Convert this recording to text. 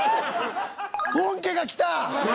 本家が来た！